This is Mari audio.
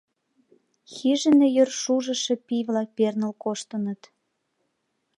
Хижине йыр шужышо пий-влак перныл коштыныт.